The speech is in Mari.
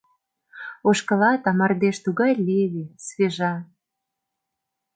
Ошкылат, а мардеж тугай леве, свежа...